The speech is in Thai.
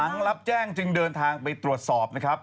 หลังรับแจ้งจึงเดินทางไปตรวจสอบนะครับ